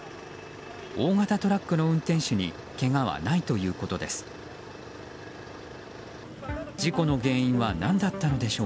大型トラックの運転手にけがはないということです。